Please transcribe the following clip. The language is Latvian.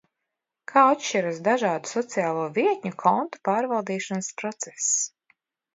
Kā atšķiras dažādu sociālo vietņu kontu pārvaldīšanas process?